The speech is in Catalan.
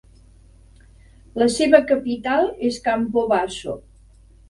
La seva capital és Campobasso.